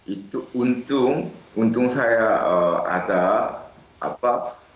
itu untung untung saya ada apa